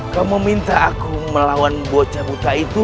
kamu minta aku melawan bocah buta itu